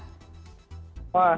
wah sama sekali